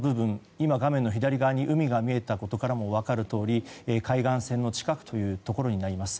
今の画面の左側に海が見えたことからも分かるように海岸線の近くというところになります。